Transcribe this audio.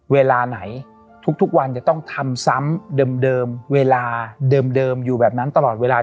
เวลาไหนทุกวันจะต้องทำซ้ำเดิมเวลาเดิมอยู่แบบนั้นตลอดเวลา